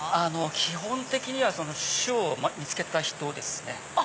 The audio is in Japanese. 基本的には種を見つけた人ですね。